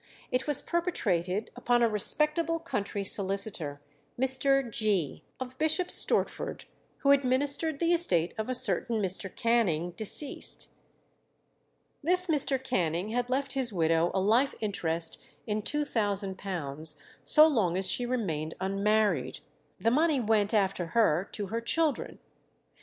It was perpetrated upon a respectable country solicitor, Mr. Gee, of Bishop Stortford, who administered the estate of a certain Mr. Canning, deceased. This Mr. Canning had left his widow a life interest in £2000 so long as she remained unmarried. The money went after her to her children.